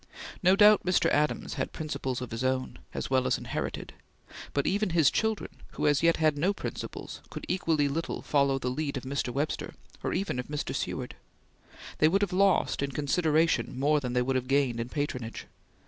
No doubt Mr. Adams had principles of his own, as well as inherited, but even his children, who as yet had no principles, could equally little follow the lead of Mr. Webster or even of Mr. Seward. They would have lost in consideration more than they would have gained in patronage.